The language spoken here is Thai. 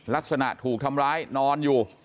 ลักษณะถูกทำร้ายนอนอยู่